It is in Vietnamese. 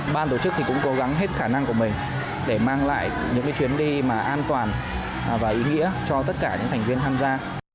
ban tổ chức thì cũng cố gắng hết khả năng của mình để mang lại những chuyến đi mà an toàn và ý nghĩa cho tất cả những thành viên tham gia